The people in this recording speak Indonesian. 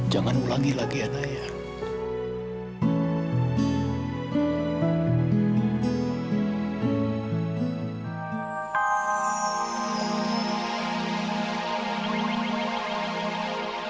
jangan pernah tinggalin papa lagi